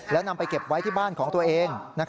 แล้วนำไปเก็บไว้ที่บ้านของตัวเอง